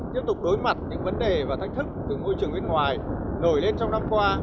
tiếp tục đối mặt những vấn đề và thách thức từ môi trường bên ngoài nổi lên trong năm qua